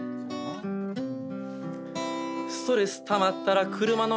「ストレスたまったら車のゲームで」